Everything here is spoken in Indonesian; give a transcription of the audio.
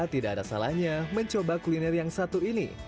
tidak ada salahnya mencoba kuliner yang satu ini